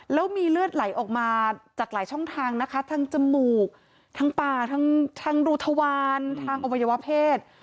แล้วมีเลือดไหลออกมาจากหลายช่องทางนะคะทั้งจมูกทั้งปากทั้งรูทวารทางอวัยวะเพศ